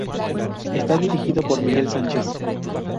Está dirigido por Miguel Sánchez.